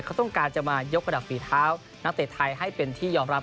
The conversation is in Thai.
เขาต้องการจะมายกระดับฝีเท้านักเตะไทยให้เป็นที่ยอมรับ